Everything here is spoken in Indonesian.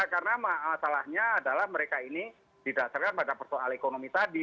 karena masalahnya adalah mereka ini didasarkan pada persoal ekonomi tadi